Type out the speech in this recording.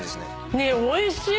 ねえおいしい！